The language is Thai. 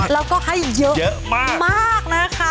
แล้วก็ให้เยอะมากนะคะ